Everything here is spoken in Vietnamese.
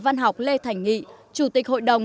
văn học lê thành nghị chủ tịch hội đồng